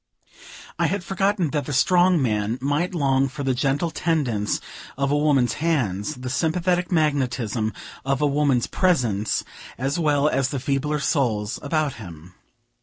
I had forgotten that the strong man might long for the gentle tendance of a woman's hands, the sympathetic magnetism of a woman's presence, as well as the feebler souls about him.